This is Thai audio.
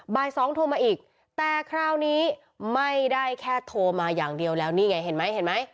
บ่ายสองโทรมาอีกแต่คราวนี้ไม่ได้แค่โทรมาอย่างเดียวแล้วนี่ไงเห็นไหมเห็นไหม